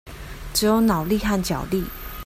只有腦力和腳力